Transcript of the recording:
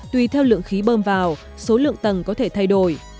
tùy theo lượng khí bơm vào số lượng tầng có thể thay đổi